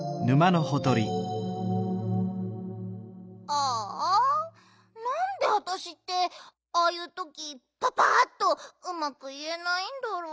ああなんでわたしってああいうときパパッとうまくいえないんだろう。